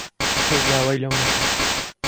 کەس داوای لەو نەکرد.